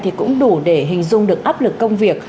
thì cũng đủ để hình dung được áp lực công việc